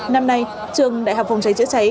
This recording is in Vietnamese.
năm nay trường đại học phòng cháy chữa cháy